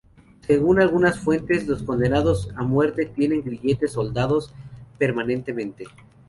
Según algunas fuentes los condenados a muerte tienen sus grilletes soldados permanentemente.